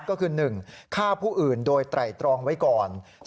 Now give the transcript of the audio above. ก็คือ๑ฆ่าผู้อื่นโดยไตรตรองไว้ก่อน